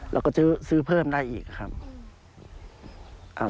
เราก็ซื้อเพิ่มได้อีกครับ